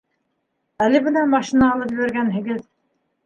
Әле бына машина алып ебәргәнһегеҙ.